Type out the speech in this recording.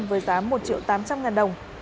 với giá một triệu tám trăm linh ngàn đồng